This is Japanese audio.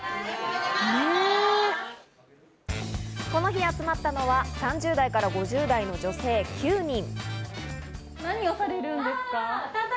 この日集まったのは、３０代から５０代の女性９人。